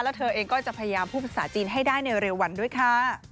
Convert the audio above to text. แล้วเธอเองก็จะพยายามพูดภาษาจีนให้ได้ในเร็ววันด้วยค่ะ